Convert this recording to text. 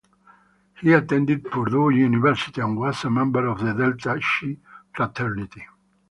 He attended Purdue University and was a member of The Delta Chi Fraternity.